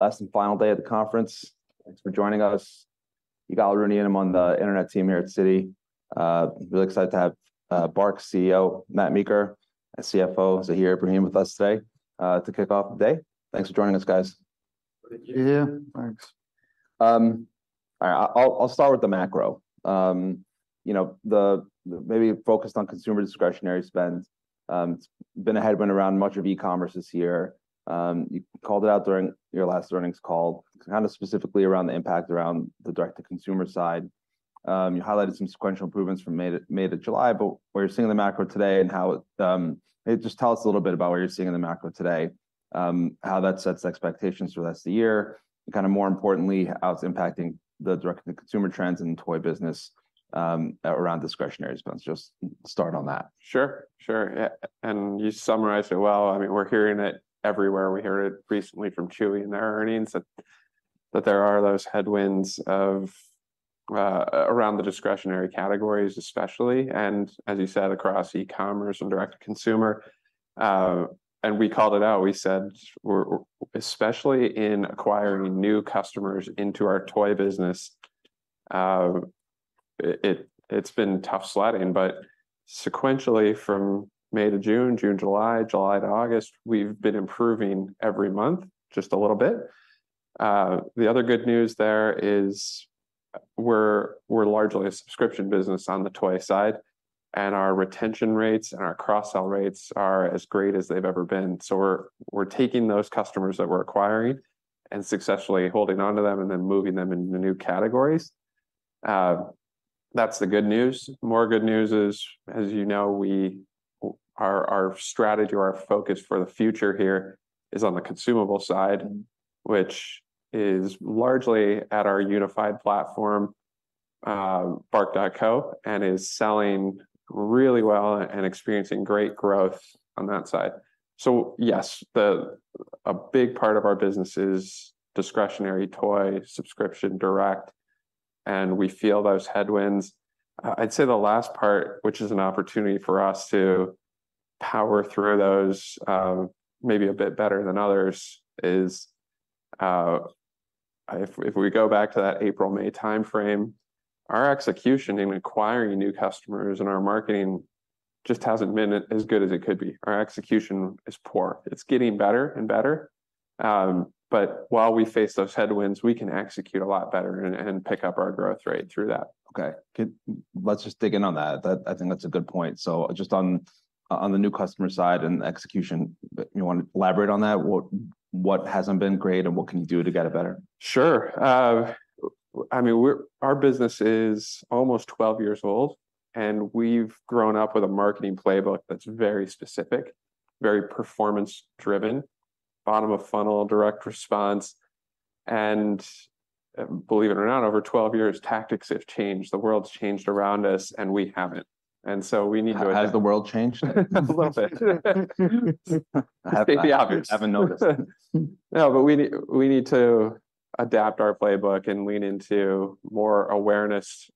Last and final day of the conference. Thanks for joining us. Ygal Arounian, I'm on the internet team here at Citi. Really excited to have BARK's CEO, Matt Meeker, and CFO, Zahir Ibrahim, with us today, to kick off the day. Thanks for joining us, guys. Thank you. Yeah, thanks. All right, I'll start with the macro. You know, maybe focused on consumer discretionary spend. It's been a headwind around much of e-commerce this year. You called it out during your last earnings call, kind of specifically around the impact around the direct-to-consumer side. You highlighted some sequential improvements from May to July, but what you're seeing in the macro today and how it-Hey, just tell us a little bit about what you're seeing in the macro today, how that sets expectations for the rest of the year, and kind of more importantly, how it's impacting the direct-to-the-consumer trends in the toy business, around discretionary spend. Just start on that. Sure, sure. Yeah, and you summarized it well. I mean, we're hearing it everywhere. We heard it recently from Chewy in their earnings, that there are those headwinds of, uh, around the discretionary categories, especially, and as you said, across e-commerce and direct-to-consumer. And we called it out. We said, we're especially in acquiring new customers into our toy business, uh, it's been tough sledding, but sequentially from May to June, June to July, July to August, we've been improving every month just a little bit. Uh, the other good news there is, we're largely a subscription business on the toy side, and our retention rates and our cross-sell rates are as great as they've ever been. So we're taking those customers that we're acquiring and successfully holding onto them, and then moving them into new categories. Uh, that's the good news. More good news is, as you know, our strategy, our focus for the future here is on the consumable side, which is largely at our unified platform, bark.co, and is selling really well and experiencing great growth on that side. So yes, a big part of our business is discretionary toy subscription direct, and we feel those headwinds. I'd say the last part, which is an opportunity for us to power through those, maybe a bit better than others, is, if we go back to that April to May timeframe, our execution in acquiring new customers and our marketing just hasn't been as good as it could be. Our execution is poor. It's getting better and better, but while we face those headwinds, we can execute a lot better and pick up our growth rate through that. Okay, good. Let's just dig in on that. That-I think that's a good point. So just on, on the new customer side and execution, but you want to elaborate on that? What, what hasn't been great, and what can you do to get it better? Sure. I mean, our business is almost 12 years old, and we've grown up with a marketing playbook that's very specific, very performance driven, bottom of funnel, direct response. And, believe it or not, over 12 years, tactics have changed. The world's changed around us, and we haven't. And so we need to- How has the world changed? A little bit. State the obvious. I haven't noticed. No, but we need, we need to adapt our playbook and lean into more awareness.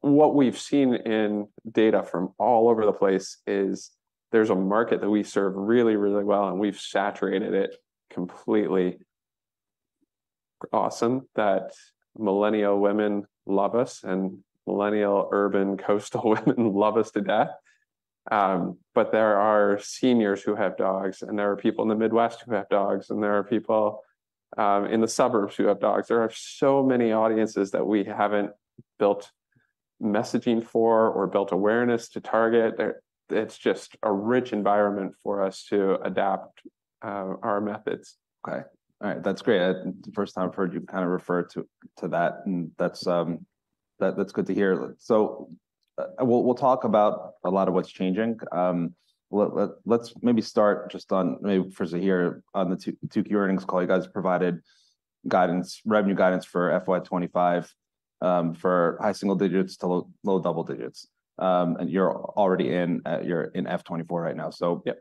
What we've seen in data from all over the place is there's a market that we serve really, really well, and we've saturated it completely awesome, that millennial women love us, and millennial, urban, coastal women love us to death. But there are seniors who have dogs, and there are people in the Midwest who have dogs, and there are people in the suburbs who have dogs. There are so many audiences that we haven't built messaging for or built awareness to target. It's just a rich environment for us to adapt our methods. Okay. All right, that's great. The first time I've heard you kind of refer to, to that, and that's, that, that's good to hear. So, we'll talk about a lot of what's changing. Let's maybe start just on, maybe for Zahir, on the 2Q earnings call, you guys provided guidance, revenue guidance for FY 2025, for high single digits to low double digits. And you're already in, you're in FY 2024 right now, so- Yep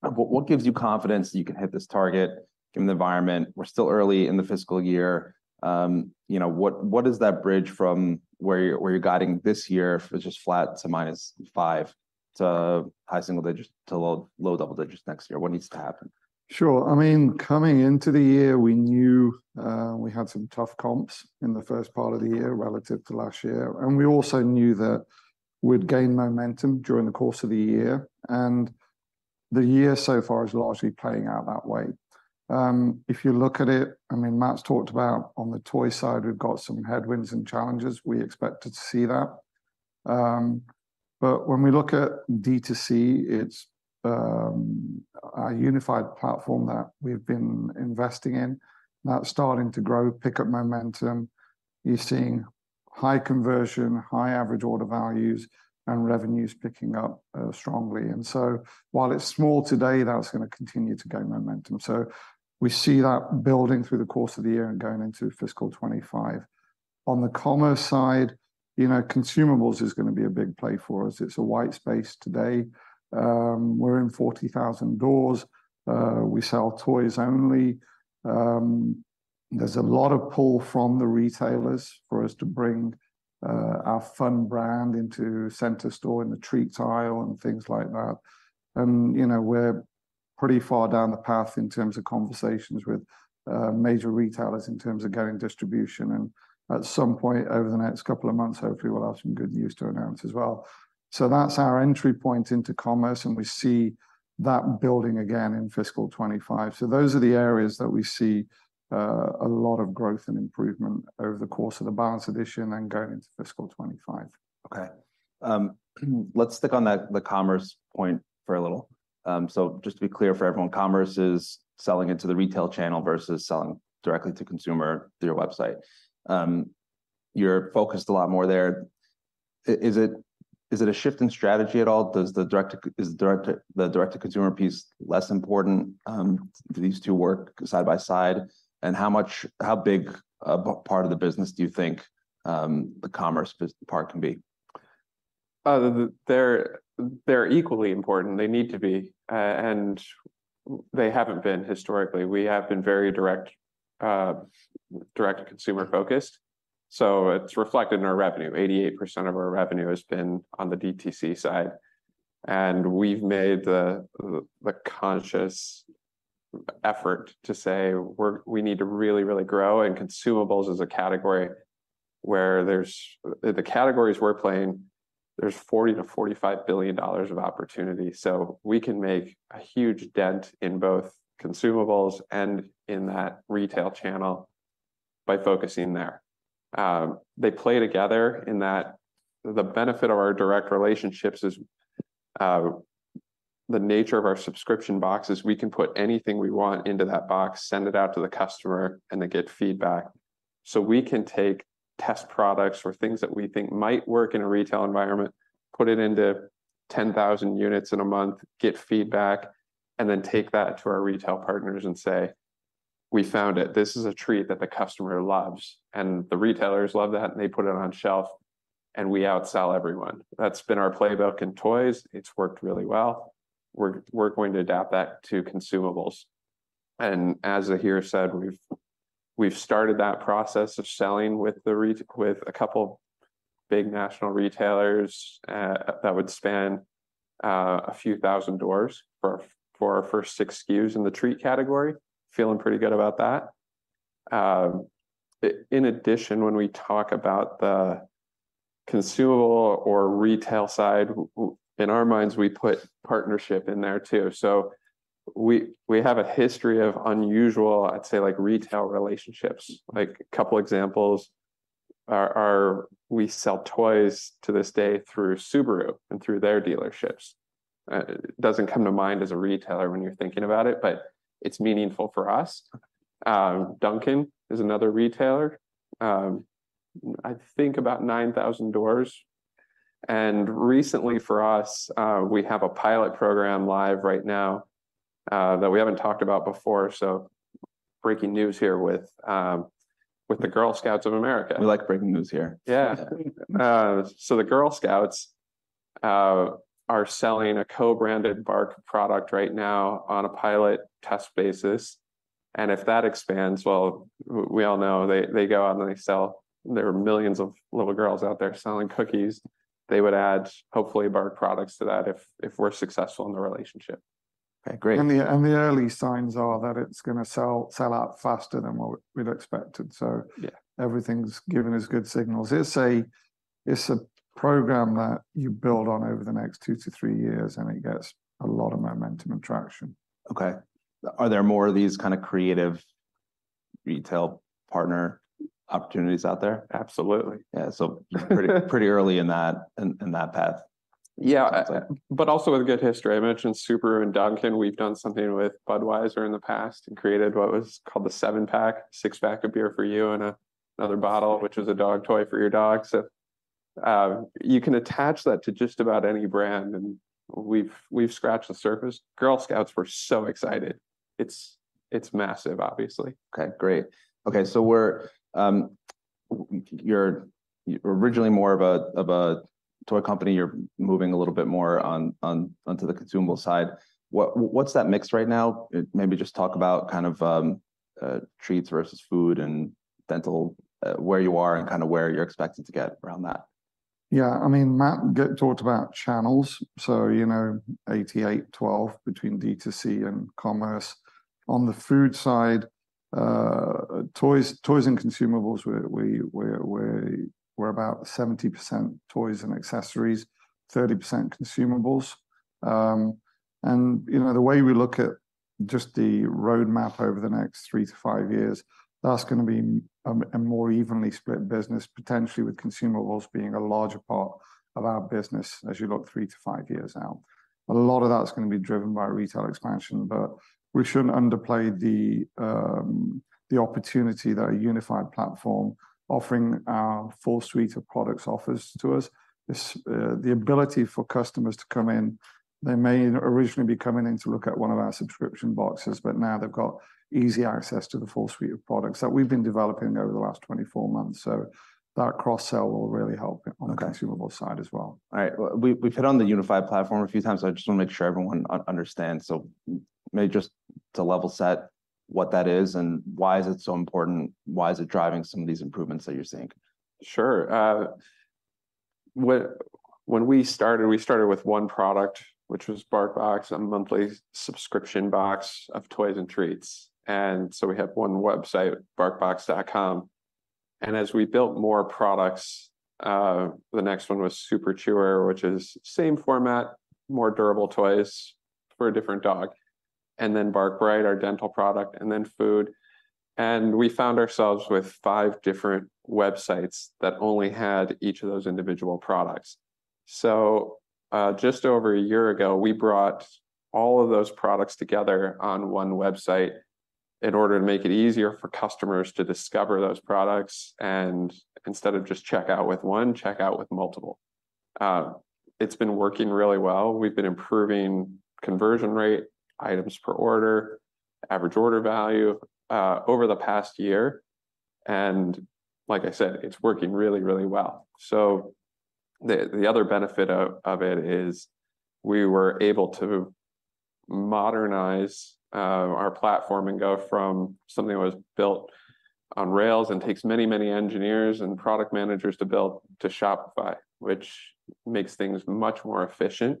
What, what gives you confidence that you can hit this target given the environment? We're still early in the fiscal year. You know, what, what is that bridge from where you're, where you're guiding this year, if it's just flat to minus five, to high single digits to low double digits next year? What needs to happen? Sure. I mean, coming into the year, we knew, we had some tough comps in the first part of the year relative to last year, and we also knew that we'd gain momentum during the course of the year. And the year so far is largely playing out that way. If you look at it, I mean, Matt's talked about on the toy side, we've got some headwinds and challenges. We expected to see that. But when we look at D2C, it's a unified platform that we've been investing in. That's starting to grow, pick up momentum. You're seeing high conversion, high average order values, and revenues picking up strongly. And so while it's small today, that's gonna continue to gain momentum. So we see that building through the course of the year and going into fiscal 2025. On the commerce side, you know, consumables is gonna be a big play for us. It's a white space today. We're in 40,000 doors. We sell toys only. There's a lot of pull from the retailers for us to bring our fun brand into center store, in the treats aisle, and things like that. And, you know, we're pretty far down the path in terms of conversations with major retailers in terms of getting distribution. And at some point over the next couple of months, hopefully we'll have some good news to announce as well. So that's our entry point into commerce, and we see that building again in fiscal 2025. So those are the areas that we see a lot of growth and improvement over the course of the balance of this year and then going into fiscal 2025. Okay. Let's stick on that, the commerce point for a little. So just to be clear for everyone, commerce is selling into the retail channel versus selling directly to consumer through your website. You're focused a lot more there. Is it a shift in strategy at all? Is the direct-to-consumer piece less important? Do these two work side by side? And how big a part of the business do you think the commerce part can be? They're equally important, they need to be, and they haven't been historically. We have been very direct, direct consumer-focused, so it's reflected in our revenue. 88% of our revenue has been on the DTC side, and we've made the conscious effort to say, "We need to really, really grow," and consumables is a category where there's-The categories we're playing, there's $40 billion-$45 billion of opportunity, so we can make a huge dent in both consumables and in that retail channel by focusing there. They play together in that the benefit of our direct relationships is the nature of our subscription boxes. We can put anything we want into that box, send it out to the customer, and then get feedback. So we can take test products or things that we think might work in a retail environment, put it into 10,000 units in a month, get feedback, and then take that to our retail partners and say, "We found it. This is a treat that the customer loves." And the retailers love that, and they put it on shelf, and we outsell everyone. That's been our playbook in toys. It's worked really well. We're going to adapt that to consumables. And as Zahir said, we've started that process of selling with a couple big national retailers that would span a few thousand doors for our first six SKUs in the treat category. Feeling pretty good about that. In addition, when we talk about the consumable or retail side, in our minds, we put partnership in there too. So we have a history of unusual, I'd say, like, retail relationships. Like, a couple examples are, we sell toys to this day through Subaru and through their dealerships. It doesn't come to mind as a retailer when you're thinking about it, but it's meaningful for us. Dunkin' is another retailer, I think about 9,000 doors. And recently for us, we have a pilot program live right now, that we haven't talked about before, so breaking news here with, with the Girl Scouts of America. We like breaking news here. Yeah. So the Girl Scouts are selling a co-branded Bark product right now on a pilot test basis, and if that expands, well, we all know, they, they go out and they sell. There are millions of little girls out there selling cookies. They would add, hopefully, Bark products to that if, if we're successful in the relationship. Okay, great. The early signs are that it's gonna sell out faster than what we'd expected, so- Yeah -everything's giving us good signals. It's a program that you build on over the next two to three years, and it gets a lot of momentum and traction. Okay. Are there more of these kind of creative retail partner opportunities out there? Absolutely. Yeah. Pretty, pretty early in that path. Yeah. That's it. But also with a good history. I mentioned Subaru and Dunkin'. We've done something with Budweiser in the past and created what was called the 7-Pack, 6-Pack of beer for you and another bottle, which was a dog toy for your dog. So, you can attach that to just about any brand, and we've, we've scratched the surface. Girl Scouts were so excited. It's, it's massive, obviously. Okay, great. Okay, so we're-You're originally more of a toy company. You're moving a little bit more on, onto the consumable side. What's that mix right now? Maybe just talk about kind of treats versus food and dental, where you are and kind of where you're expected to get around that. Yeah, I mean, Matt talked about channels, so, you know, 88-12 between DTC and commerce. On the food side, toys and consumables, we're about 70% toys and accessories, 30% consumables. And, you know, the way we look at just the roadmap over the next three to five years, that's gonna be a more evenly split business, potentially with consumables being a larger part of our business as you look three to five years out. A lot of that's gonna be driven by retail expansion, but we shouldn't underplay the opportunity that a unified platform offering our full suite of products offers to us. This, the ability for customers to come in, they may originally be coming in to look at one of our subscription boxes, but now they've got easy access to the full suite of products that we've been developing over the last 24 months. So that cross-sell will really help- Okay -on the consumable side as well. All right. Well, we've hit on the unified platform a few times. I just wanna make sure everyone understands. So maybe just to level set what that is and why is it so important, why is it driving some of these improvements that you're seeing? Sure. When we started, we started with one product, which was BarkBox, a monthly subscription box of toys and treats. And so we had one website, barkbox.com. And as we built more products, the next one was Super Chewer, which is same format, more durable toys for a different dog, and then Bark Bright, our dental product, and then food. And we found ourselves with five different websites that only had each of those individual products. So, just over a year ago, we brought all of those products together on one website in order to make it easier for customers to discover those products, and instead of just check out with one, check out with multiple. It's been working really well. We've been improving conversion rate, items per order, average order value, over the past year, and like I said, it's working really, really well. So the other benefit of it is we were able to modernize our platform and go from something that was built on rails and takes many, many engineers and product managers to build, to Shopify, which makes things much more efficient.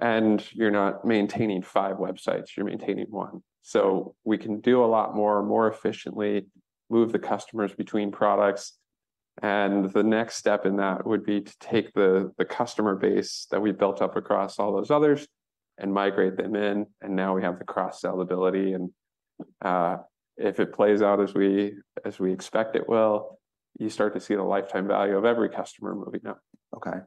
And you're not maintaining five websites, you're maintaining one. So we can do a lot more efficiently, move the customers between products. And if it plays out as we expect it will, you start to see the lifetime value of every customer moving up. Okay.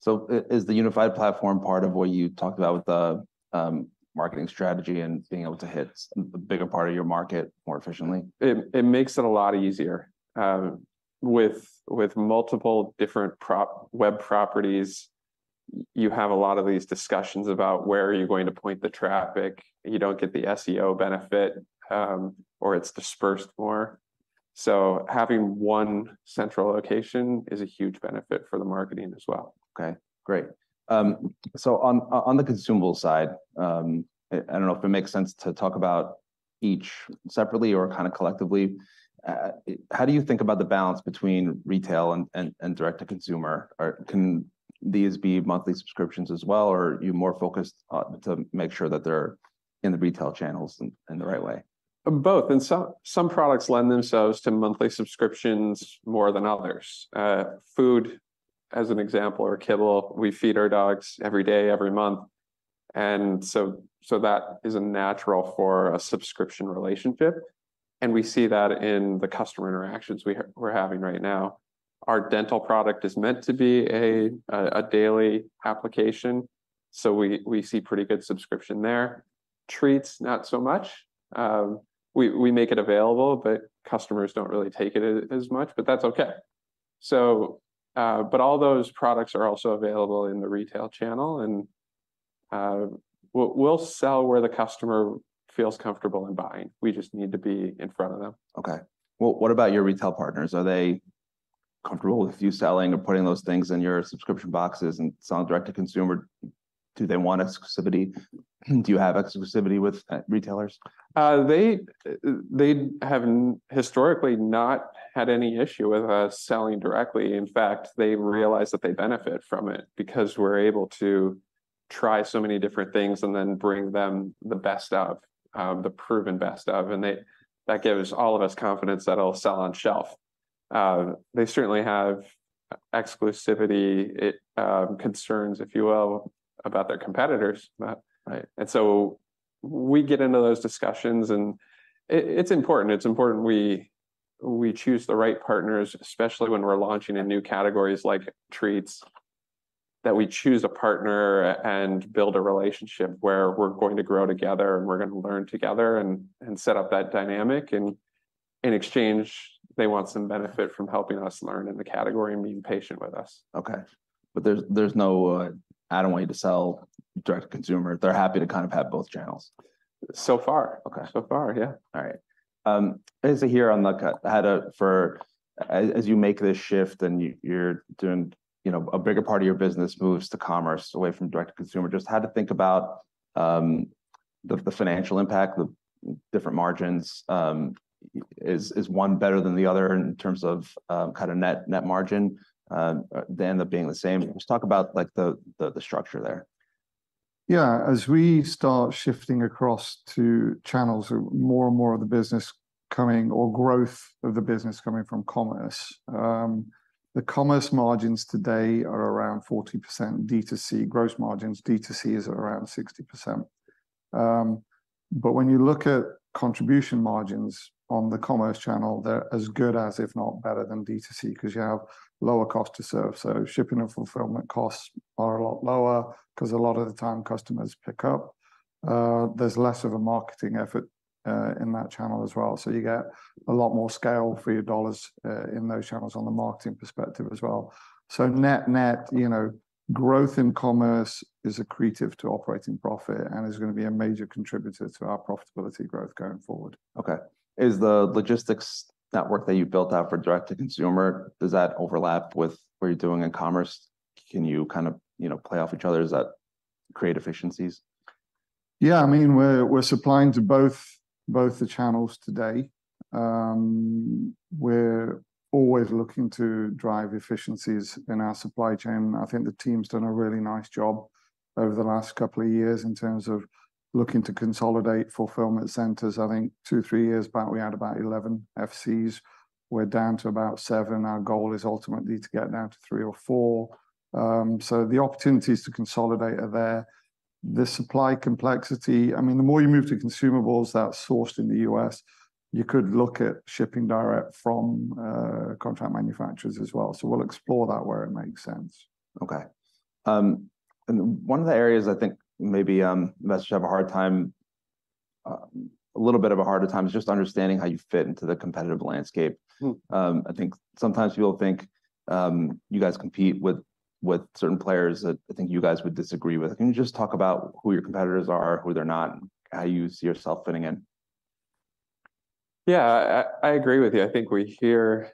So is the unified platform part of what you talked about with the marketing strategy and being able to hit a bigger part of your market more efficiently? It makes it a lot easier. With multiple different web properties, you have a lot of these discussions about where are you going to point the traffic. You don't get the SEO benefit, or it's dispersed more. So having one central location is a huge benefit for the marketing as well. Okay, great. So on the consumable side, I don't know if it makes sense to talk about each separately or kinda collectively. How do you think about the balance between retail and direct-to-consumer? Or can these be monthly subscriptions as well, or are you more focused to make sure that they're in the retail channels in the right way? Both. Some products lend themselves to monthly subscriptions more than others. Food, as an example, or kibble, we feed our dogs every day, every month, and so that is a natural for a subscription relationship, and we see that in the customer interactions we're having right now. Our dental product is meant to be a daily application, so we see pretty good subscription there. Treats, not so much. We make it available, but customers don't really take it as much, but that's okay. But all those products are also available in the retail channel, and we'll sell where the customer feels comfortable in buying. We just need to be in front of them. Okay. Well, what about your retail partners? Are they comfortable with you selling or putting those things in your subscription boxes and selling direct-to-consumer? Do they want exclusivity? Do you have exclusivity with retailers? They have historically not had any issue with us selling directly. In fact, they've realized that they benefit from it because we're able to try so many different things and then bring them the best of the proven best of, that gives all of us confidence that it'll sell on shelf. They certainly have exclusivity concerns, if you will, about their competitors, but- Right And so we get into those discussions, and it's important. It's important we choose the right partners, especially when we're launching in new categories like treats, that we choose a partner and build a relationship where we're going to grow together, and we're gonna learn together and set up that dynamic. And in exchange, they want some benefit from helping us learn in the category and being patient with us. Okay. But there's no, I don't want you to sell direct-to-consumer. They're happy to kind of have both channels. So far. Okay. So far, yeah. All right. Zahir, as you make this shift and you, you're doing, you know, a bigger part of your business moves to commerce away from direct-to-consumer, just how to think about the financial impact, the different margins. Is one better than the other in terms of kind of net margin? They end up being the same. Just talk about like, the structure there. Yeah. As we start shifting across to channels, more and more of the business coming, or growth of the business coming from commerce. The commerce margins today are around 40% DTC. Gross margins, DTC is around 60%. But when you look at contribution margins on the commerce channel, they're as good as, if not better than DTC, 'cause you have lower cost to serve. So shipping and fulfillment costs are a lot lower, 'cause a lot of the time customers pick up. There's less of a marketing effort, in that channel as well, so you get a lot more scale for your dollars, in those channels on the marketing perspective as well. So net-net, you know, growth in commerce is accretive to operating profit and is gonna be a major contributor to our profitability growth going forward. Okay. Is the logistics network that you built out for direct-to-consumer, does that overlap with what you're doing in commerce? Can you kind of, you know, play off each other? Does that create efficiencies? Yeah, I mean, we're supplying to both the channels today. We're always looking to drive efficiencies in our supply chain. I think the team's done a really nice job over the last couple of years in terms of looking to consolidate fulfillment centers. I think two, three years back, we had about 11 FCs. We're down to about seven. Our goal is ultimately to get down to three or four. So the opportunities to consolidate are there. The supply complexity, I mean, the more you move to consumables that's sourced in the U.S., you could look at shipping direct from contract manufacturers as well. So we'll explore that where it makes sense. Okay. One of the areas I think maybe investors have a hard time, a little bit of a harder time, is just understanding how you fit into the competitive landscape. Mm. I think sometimes people think, you guys compete with certain players that I think you guys would disagree with. Can you just talk about who your competitors are, who they're not, and how you see yourself fitting in? Yeah, I agree with you. I think we hear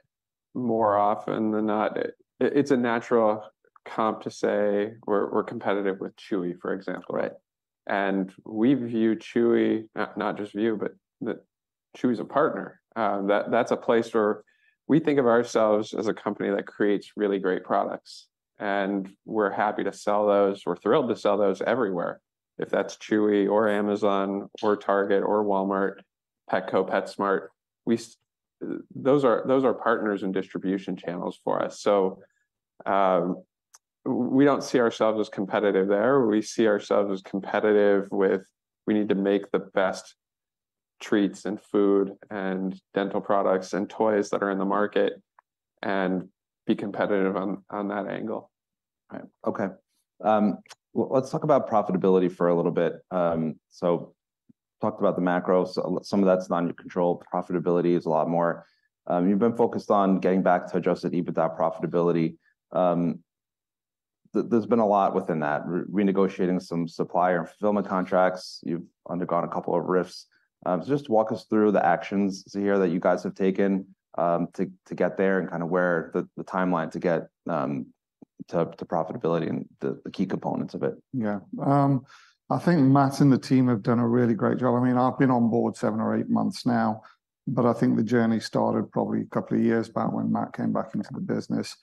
more often than not, it's a natural comp to say we're competitive with Chewy, for example, right? And we view Chewy, not just view, but that Chewy is a partner. That's a place where we think of ourselves as a company that creates really great products, and we're happy to sell those. We're thrilled to sell those everywhere. If that's Chewy, or Amazon, or Target, or Walmart, Petco, PetSmart, those are partners in distribution channels for us. So, we don't see ourselves as competitive there. We see ourselves as competitive with, we need to make the best treats, and food, and dental products, and toys that are in the market, and be competitive on that angle. Right. Okay. Well, let's talk about profitability for a little bit. So talked about the macro. So some of that's not in your control. Profitability is a lot more. You've been focused on getting back to adjusted EBITDA profitability. There's been a lot within that. Renegotiating some supplier and fulfillment contracts. You've undergone a couple of RIFs. So just walk us through the actions here that you guys have taken, to get there, and kinda where the timeline to get to profitability and the key components of it. Yeah. I think Matt and the team have done a really great job. I mean, I've been on board seven or eight months now, but I think the journey started probably a couple of years back when Matt came back into the business.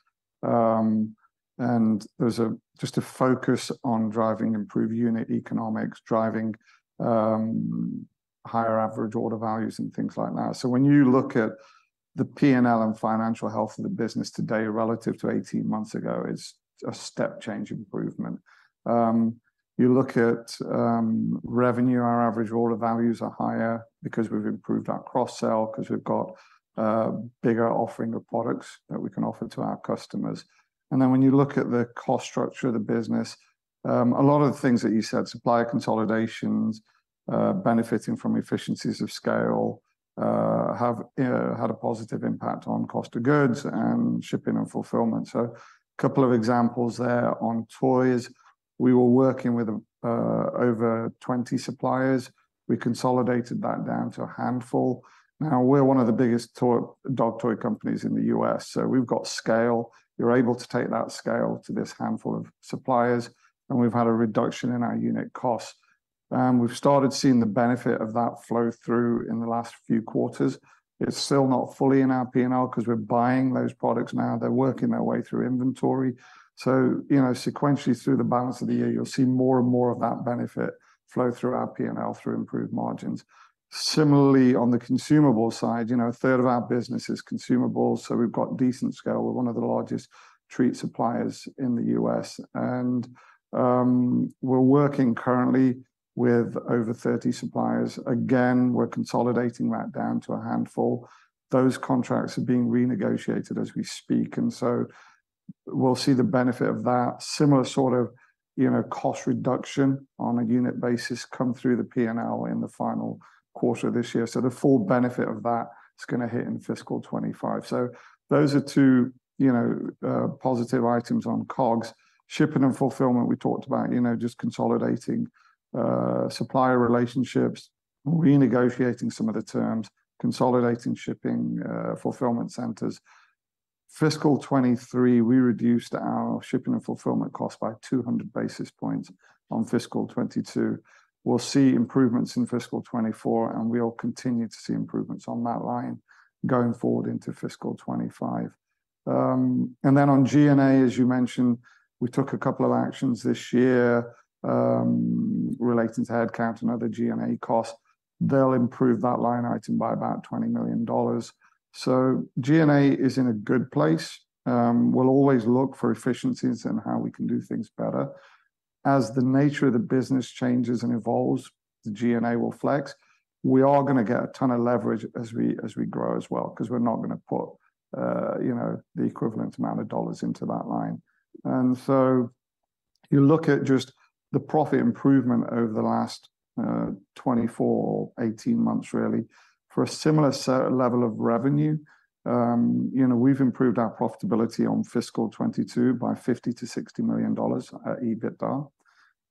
And there's just a focus on driving improved unit economics, driving higher average order values and things like that. So when you look at the P&L and financial health of the business today relative to 18 months ago, it's a step change improvement. You look at revenue, our average order values are higher because we've improved our cross-sell, 'cause we've got a bigger offering of products that we can offer to our customers. And then, when you look at the cost structure of the business, a lot of the things that you said, supplier consolidations, benefiting from efficiencies of scale, have had a positive impact on cost of goods and shipping and fulfillment. So a couple of examples there. On toys, we were working with over 20 suppliers. We consolidated that down to a handful. Now, we're one of the biggest toy, dog toy companies in the U.S., so we've got scale. We're able to take that scale to this handful of suppliers, and we've had a reduction in our unit costs. We've started seeing the benefit of that flow through in the last few quarters. It's still not fully in our P&L, 'cause we're buying those products now. They're working their way through inventory. So, you know, sequentially through the balance of the year, you'll see more and more of that benefit flow through our P&L through improved margins. Similarly, on the consumable side, you know, a third of our business is consumables, so we've got decent scale. We're one of the largest treat suppliers in the U.S., and we're working currently with over 30 suppliers. Again, we're consolidating that down to a handful. Those contracts are being renegotiated as we speak, and so we'll see the benefit of that similar sort of, you know, cost reduction on a unit basis come through the P&L in the final quarter of this year. So the full benefit of that is gonna hit in fiscal 2025. So those are two, you know, positive items on COGS. Shipping and fulfillment, we talked about, you know, just consolidating, supplier relationships, renegotiating some of the terms, consolidating shipping, fulfillment centers. Fiscal 2023, we reduced our shipping and fulfillment costs by 200 basis points on fiscal 2022. We'll see improvements in fiscal 2024, and we'll continue to see improvements on that line going forward into fiscal 2025. And then on G&A, as you mentioned, we took a couple of actions this year, relating to headcount and other G&A costs. They'll improve that line item by about $20 million. So G&A is in a good place. We'll always look for efficiencies and how we can do things better. As the nature of the business changes and evolves, the G&A will flex. We are gonna get a ton of leverage as we, as we grow as well, 'cause we're not gonna put, you know, the equivalent amount of dollars into that line. And so you look at just the profit improvement over the last 24 or 18 months, really, for a similar set, level of revenue, you know, we've improved our profitability on fiscal 2022 by $50 million-$60 million at EBITDA.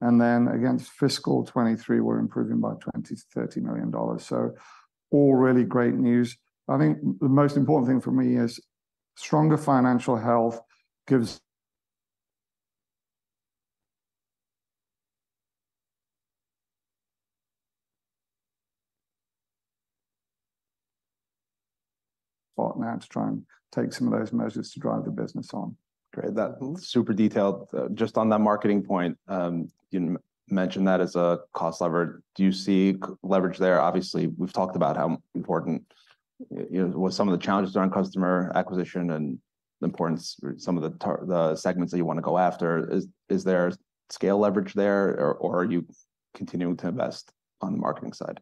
And then against fiscal 2023, we're improving by $20 million-$30 million. So all really great news. I think the most important thing for me is stronger financial health gives-So now to try and take some of those measures to drive the business on. Great. That super detailed, just on that marketing point, you mentioned that as a cost lever. Do you see leverage there? Obviously, we've talked about how important, you know, what some of the challenges around customer acquisition and the importance, some of the the segments that you want to go after. Is there scale leverage there, or are you continuing to invest on the marketing side?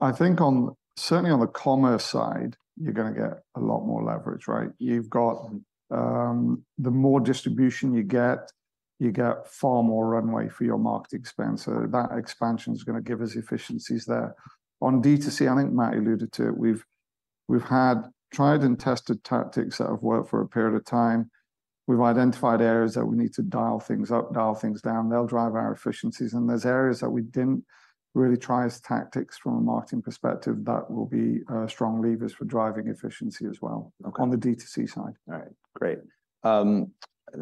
I think on, certainly on the commerce side, you're gonna get a lot more leverage, right? You've got, the more distribution you get, you get far more runway for your market expansion. So that expansion is gonna give us efficiencies there. On D2C, I think Matt alluded to it. We've had tried and tested tactics that have worked for a period of time. We've identified areas that we need to dial things up, dial things down, they'll drive our efficiencies. And there's areas that we didn't really try as tactics from a marketing perspective that will be, strong levers for driving efficiency as well- Okay. -on the D2C side. All right, great. I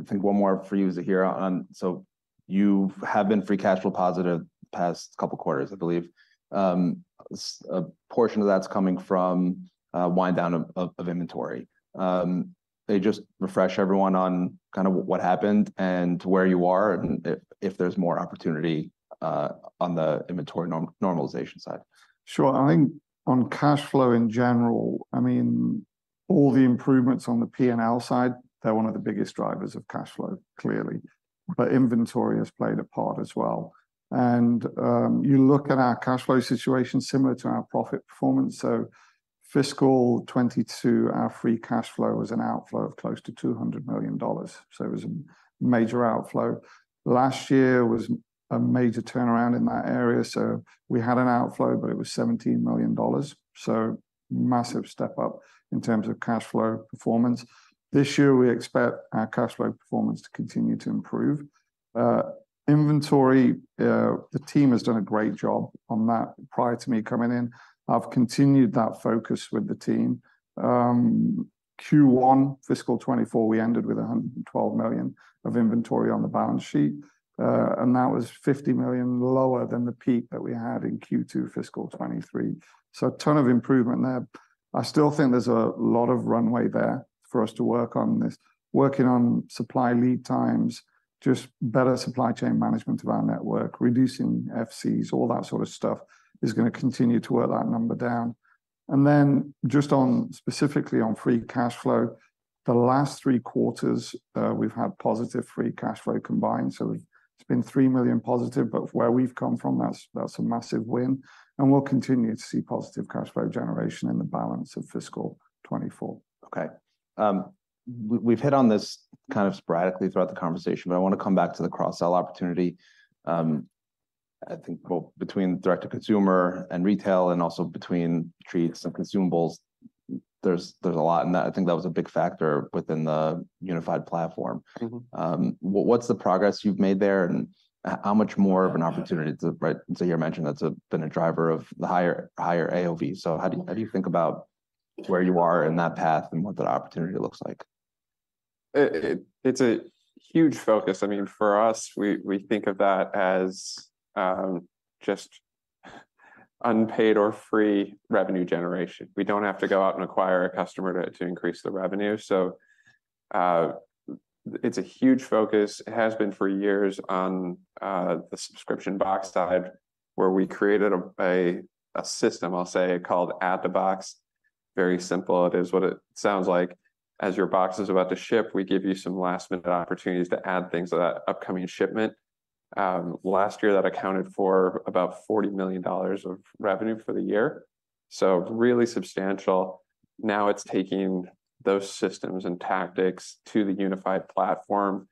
think one more for you, Zahir, on, so you have been free cash flow positive the past couple quarters, I believe. A portion of that's coming from wind down of inventory. Maybe just refresh everyone on kind of what happened and where you are, and if there's more opportunity on the inventory normalization side. Sure. I think on cash flow in general, I mean, all the improvements on the P&L side, they're one of the biggest drivers of cash flow, clearly. But inventory has played a part as well. And you look at our cash flow situation, similar to our profit performance. So fiscal 2022, our free cash flow was an outflow of close to $200 million. So it was a major outflow. Last year was a major turnaround in that area, so we had an outflow, but it was $17 million. So massive step up in terms of cash flow performance. This year, we expect our cash flow performance to continue to improve. Inventory, the team has done a great job on that prior to me coming in. I've continued that focus with the team. Q1, fiscal 2024, we ended with $112 million of inventory on the balance sheet, and that was $50 million lower than the peak that we had in Q2, fiscal 2023. So a ton of improvement there. I still think there's a lot of runway there for us to work on this. Working on supply lead times, just better supply chain management of our network, reducing FCs, all that sort of stuff, is gonna continue to work that number down. And then just on, specifically on free cash flow, the last three quarters, we've had positive free cash flow combined, so it's been $3 million positive, but where we've come from, that's, that's a massive win, and we'll continue to see positive cash flow generation in the balance of fiscal 2024. Okay. We've hit on this kind of sporadically throughout the conversation, but I want to come back to the cross-sell opportunity. I think both between direct-to-consumer and retail, and also between treats and consumables, there's a lot, and I think that was a big factor within the unified platform. Mm-hmm. What's the progress you've made there, and how much more of an opportunity to, right—Zahir mentioned that's been a driver of the higher, higher AOV. So how do you, how do you think about where you are in that path and what that opportunity looks like? It, it's a huge focus. I mean, for us, we think of that as just unpaid or free revenue generation. We don't have to go out and acquire a customer to increase the revenue. So, it's a huge focus, it has been for years on the subscription box side, where we created a system, I'll say, called Add-to-Box. Very simple. It is what it sounds like. As your box is about to ship, we give you some last-minute opportunities to add things to that upcoming shipment. Last year, that accounted for about $40 million of revenue for the year, so really substantial. Now it's taking those systems and tactics to the unified platform,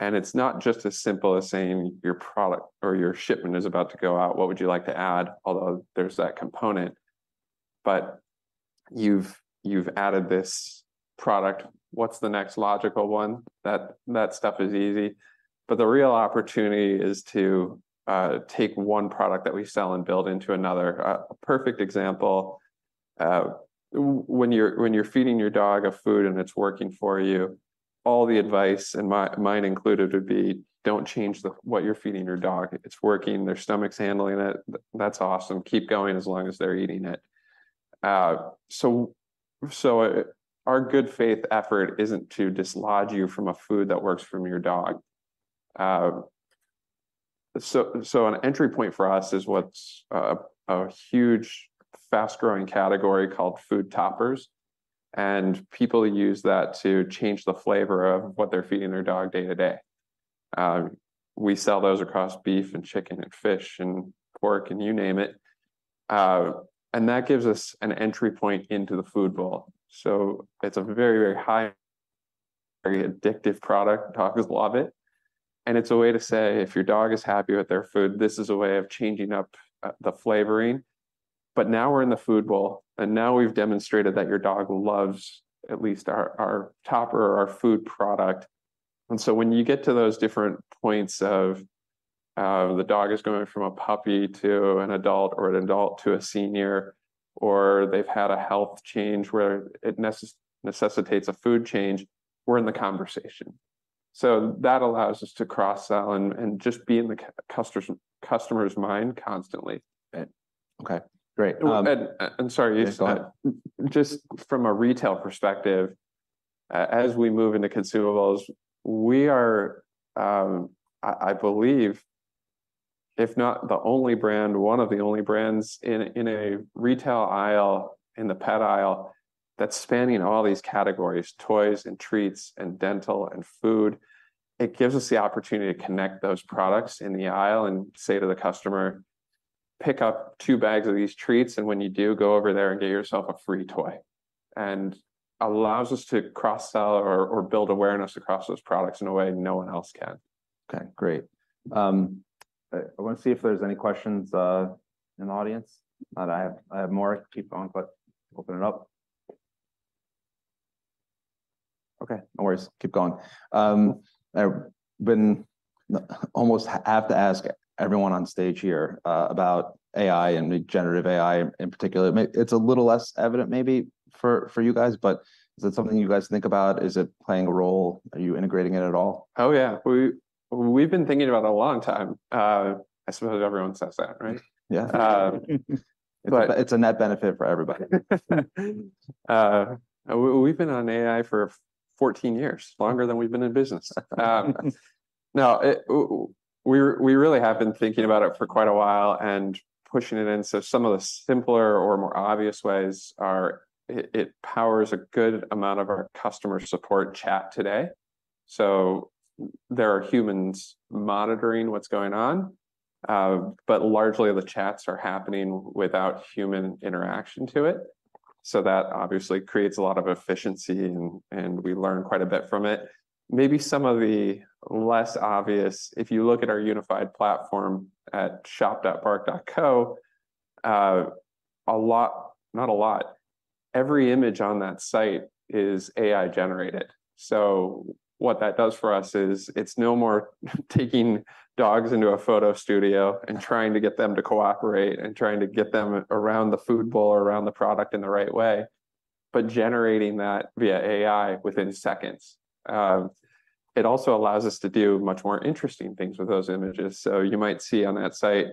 and it's not just as simple as saying: Your product or your shipment is about to go out, what would you like to add? Although there's that component, but you've added this product, what's the next logical one? That stuff is easy, but the real opportunity is to take one product that we sell and build into another. A perfect example, when you're feeding your dog a food and it's working for you, all the advice, and mine included, would be, "Don't change what you're feeding your dog. It's working, their stomach's handling it. That's awesome. Keep going as long as they're eating it." So, our good faith effort isn't to dislodge you from a food that works for your dog. So, an entry point for us is what's a huge, fast-growing category called food toppers, and people use that to change the flavor of what they're feeding their dog day to day. We sell those across beef and chicken and fish and pork, and you name it. And that gives us an entry point into the food bowl. So it's a very, very high, very addictive product. Dogs love it, and it's a way to say, if your dog is happy with their food, this is a way of changing up the flavoring. But now we're in the food bowl, and now we've demonstrated that your dog loves at least our topper or our food product. And so when you get to those different points of the dog is going from a puppy to an adult or an adult to a senior, or they've had a health change where it necessitates a food change, we're in the conversation. So that allows us to cross-sell and just be in the customer's mind constantly. Okay, great. And, sorry, Ygal. Go ahead. Just from a retail perspective, as we move into consumables, we are, I believe, if not the only brand, one of the only brands in a retail aisle, in the pet aisle, that's spanning all these categories: toys, and treats, and dental, and food. It gives us the opportunity to connect those products in the aisle and say to the customer, "Pick up two bags of these treats, and when you do, go over there and get yourself a free toy." And allows us to cross-sell or build awareness across those products in a way no one else can. Okay, great. I want to see if there's any questions in the audience. But I have more to keep going, but open it up. Okay, no worries. Keep going. Almost have to ask everyone on stage here about AI and generative AI in particular. It's a little less evident maybe for you guys, but is it something you guys think about? Is it playing a role? Are you integrating it at all? Oh, yeah. We've been thinking about it a long time. I suppose everyone says that, right? Yeah. Um, It's a net benefit for everybody. We've been on AI for 14 years, longer than we've been in business. We really have been thinking about it for quite a while and pushing it in. So some of the simpler or more obvious ways are, it powers a good amount of our customer support chat today. So there are humans monitoring what's going on, but largely the chats are happening without human interaction to it. So that obviously creates a lot of efficiency, and we learn quite a bit from it. Maybe some of the less obvious, if you look at our unified platform at shop.bark.co, every image on that site is AI-generated. So what that does for us is, it's no more taking dogs into a photo studio and trying to get them to cooperate, and trying to get them around the food bowl or around the product in the right way, but generating that via AI within seconds. It also allows us to do much more interesting things with those images. So you might see on that site,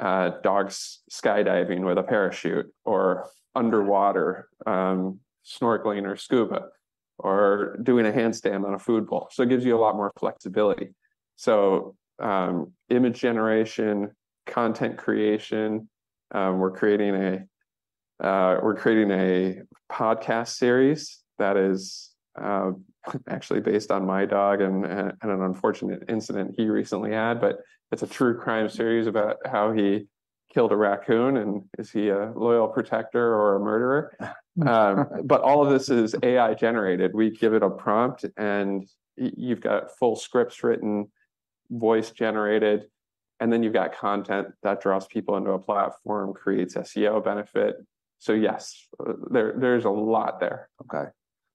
dogs skydiving with a parachute, or underwater, snorkeling or scuba, or doing a handstand on a food bowl. So it gives you a lot more flexibility. So, image generation, content creation, we're creating a podcast series that is actually based on my dog and an unfortunate incident he recently had, but it's a true crime series about how he killed a raccoon, and is he a loyal protector or a murderer? But all of this is AI-generated. We give it a prompt, and you've got full scripts written, voice-generated, and then you've got content that draws people into a platform, creates SEO benefit. So yes, there, there's a lot there. Okay.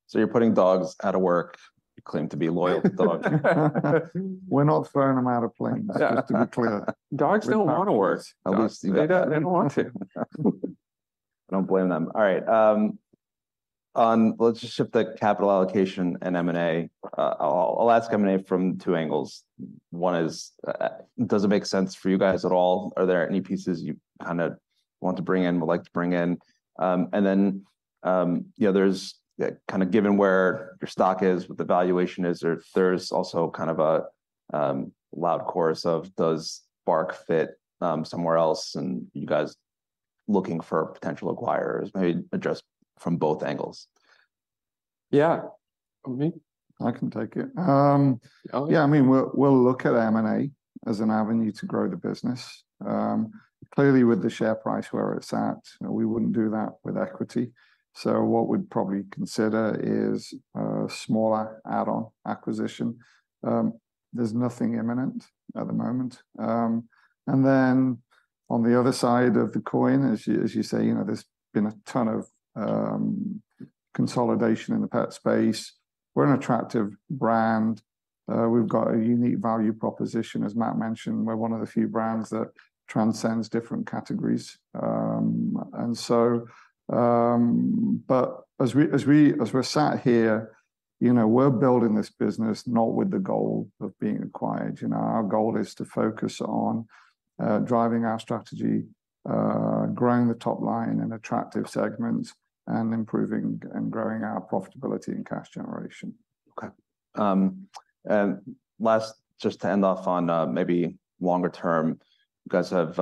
So you're putting dogs out of work, who claim to be loyal dogs. We're not firing them out of planes- Yeah. Just to be clear. Dogs don't want to work. At least- They don't, they don't want to. I don't blame them. All right, Let's just ship the capital allocation and M&A. I'll ask M&A from two angles. One is, does it make sense for you guys at all? Are there any pieces you kind of want to bring in, would like to bring in? And then, you know, there's kind of given where your stock is, what the valuation is, there's also kind of a loud chorus of, does Bark fit somewhere else, and you guys looking for potential acquirers? Maybe address from both angles. Yeah. Want me? I can take it. Okay. Yeah, I mean, we'll, we'll look at M&A as an avenue to grow the business. Clearly, with the share price where it's at, you know, we wouldn't do that with equity. So what we'd probably consider is a smaller add-on acquisition. There's nothing imminent at the moment. And then, on the other side of the coin, as you, as you say, you know, there's been a ton of consolidation in the pet space. We're an attractive brand. We've got a unique value proposition. As Matt mentioned, we're one of the few brands that transcends different categories. And so... But as we, as we- as we're sat here, you know, we're building this business not with the goal of being acquired. You know, our goal is to focus on driving our strategy, growing the top line in attractive segments, and improving and growing our profitability and cash generation. Okay. Last, just to end off on, maybe longer term, you guys have,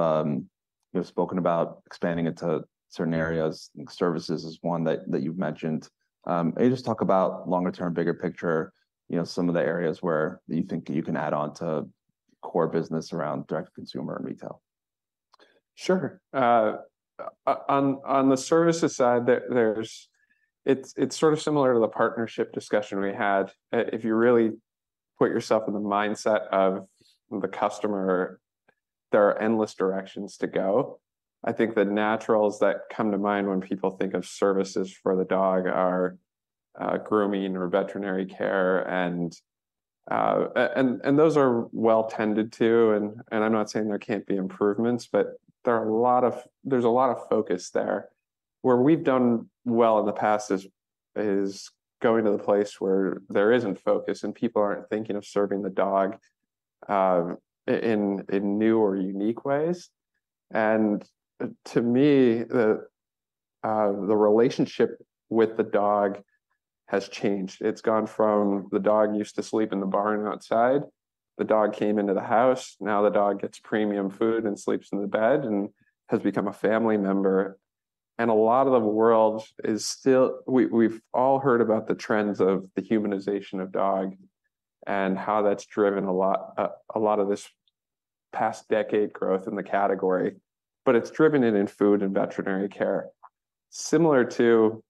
you've spoken about expanding into certain areas, and services is one that you've mentioned. Can you just talk about longer term, bigger picture, you know, some of the areas where you think you can add on to core business around direct consumer and retail? Sure. On the services side, there's-It's sort of similar to the partnership discussion we had. If you really put yourself in the mindset of the customer, there are endless directions to go. I think the naturals that come to mind when people think of services for the dog are grooming or veterinary care, and those are well-tended to, and I'm not saying there can't be improvements, but there's a lot of focus there. Where we've done well in the past is going to the place where there isn't focus, and people aren't thinking of serving the dog in new or unique ways. To me, the relationship with the dog has changed. It's gone from the dog used to sleep in the barn outside, the dog came into the house, now the dog gets premium food and sleeps in the bed and has become a family member. And a lot of the world is still-We've all heard about the trends of the humanization of dog and how that's driven a lot, a lot of this past decade growth in the category, but it's driven it in food and veterinary care. Similar to,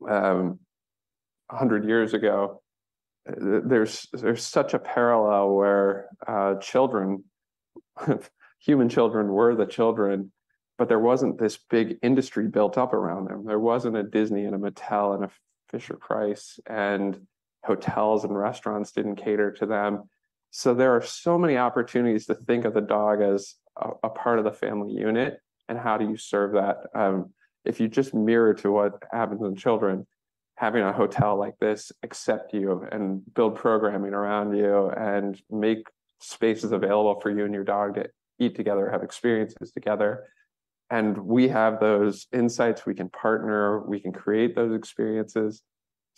100 years ago, there's such a parallel where, children, human children were the children, but there wasn't this big industry built up around them. There wasn't a Disney and a Mattel and a Fisher-Price, and hotels and restaurants didn't cater to them. So there are so many opportunities to think of the dog as a part of the family unit, and how do you serve that? If you just mirror to what happens with children, having a hotel like this accept you and build programming around you, and make spaces available for you and your dog to eat together, have experiences together. We have those insights. We can partner, we can create those experiences.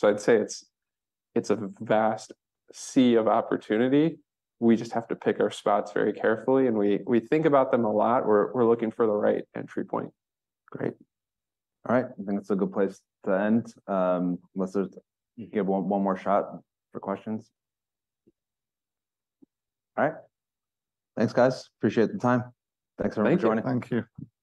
I'd say it's a vast sea of opportunity. We just have to pick our spots very carefully, and we think about them a lot. We're looking for the right entry point. Great. All right, I think that's a good place to end. Let's just give one more shot for questions. All right. Thanks, guys. Appreciate the time. Thanks everyone for joining. Thank you.